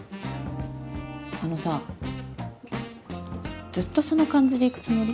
あのさずっとその感じでいくつもり？